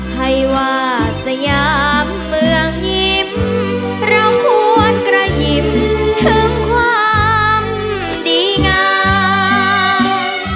ให้ว่าสยามเมืองยิ้มเราควรกระยิ้มถึงความดีงาม